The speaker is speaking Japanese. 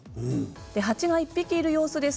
鉢が１匹いる様子です。